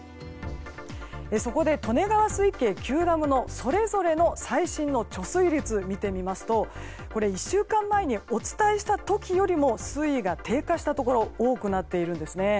そこで利根川水系９ダムのそれぞれの最近の貯水率を見ると１週間前にお伝えした時よりも水位が低下したところが多くなっているんですね。